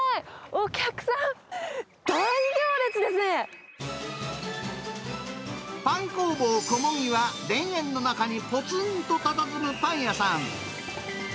お客さん、パン工房小麦は、田園の中にぽつんとたたずむパン屋さん。